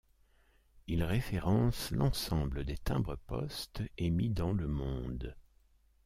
Il référence l'ensemble des timbres-poste émis dans le monde.